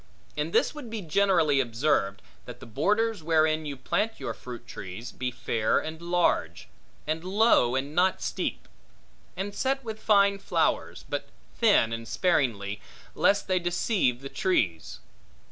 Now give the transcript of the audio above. And this would be generally observed, that the borders wherein you plant your fruit trees, be fair and large, and low, and not steep; and set with fine flowers, but thin and sparingly, lest they deceive the trees.